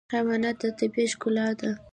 حیوانات د طبیعت ښکلا ده.